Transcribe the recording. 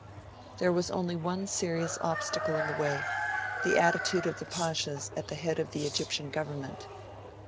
There was only one serious obstacle in the way the attitude of the Pashas at the head of the Egyptian Government.